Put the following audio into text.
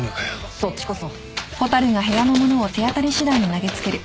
そっちこそ。